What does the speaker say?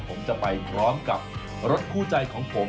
ผมจะไปพร้อมกับรถคู่ใจของผม